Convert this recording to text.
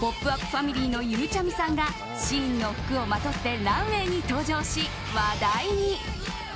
ファミリーのゆうちゃみさんがＳＨＥＩＮの服をまとってランウェーに登場し、話題に。